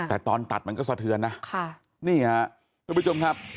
แต่ตอนตัดมันก็สะเทือนนะค่ะนี่ฮะทุกผู้ชมครับ